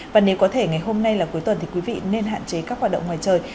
và nếu có thể ngày hôm nay là cuối tuần thì quý vị nên hạn chế các hoạt động ngoài trời